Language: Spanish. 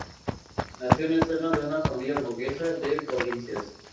Nació en el seno de una familia burguesa, de provincias.